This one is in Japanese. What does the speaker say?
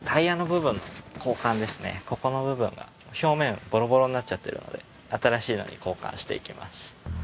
ここの部分が表面ボロボロになっちゃってるので新しいのに交換していきます